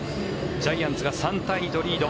ジャイアンツが３対２とリード。